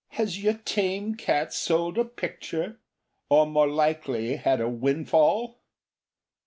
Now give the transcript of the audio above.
"Has your tame cat sold a picture? or more likely had a windfall?